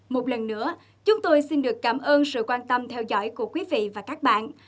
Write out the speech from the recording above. một lần nữa chúng tôi xin được cảm ơn sự quan tâm theo dõi của quý vị và các bạn